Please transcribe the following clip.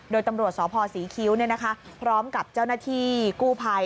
โดยตำรวจสพศรีคิ้วพร้อมกับเจ้าหน้าที่กู้ภัย